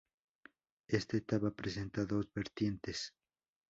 Esta etapa presenta dos vertientes.